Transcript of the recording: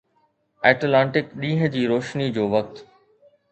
Atlantic ڏينهن جي روشني جو وقت